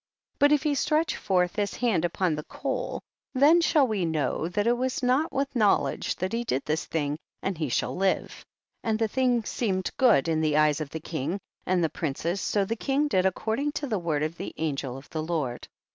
20. But if he stretch forth his iiand upon the coal, then shall wo know that it was not with knowledge that he did this thing, and he shall live. 27. And the thing seemed good in the eyes of the king and the princes, so the king did according to the word of the angel of the Lord.